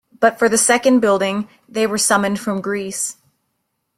But for the second building they were summoned from Greece.